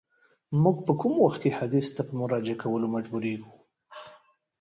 موږ په کوم وخت کي حدیث ته په مراجعه کولو مجبوریږو؟